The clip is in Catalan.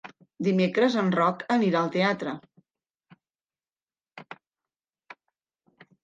Dimecres en Roc anirà al teatre.